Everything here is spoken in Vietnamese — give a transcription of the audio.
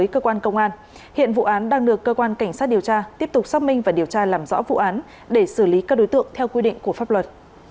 cơ quan cảnh sát điều tra tiếp tục xác minh và điều tra làm rõ vụ án để xử lý các đối tượng theo quy định của pháp luật